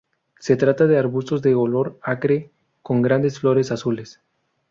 Se trata de arbustos de olor acre con grandes flores azules.